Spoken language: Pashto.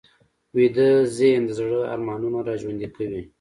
ویده ذهن د زړه ارمانونه راژوندي کوي